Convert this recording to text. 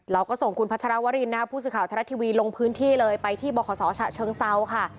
เราก็ส่งคุณพัชรวรินผู้สื่อข่าวทะเลทีวีลงพื้นที่เลยไปที่บศเชิงเซาค่ะ